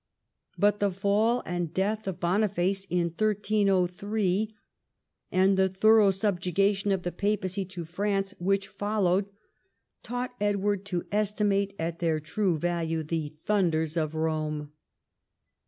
But the fall and death of Boniface in 1303, and the thorough sub jection of the papacy to France which followed, taught Edward to estimate at their true value the thunders of Rome.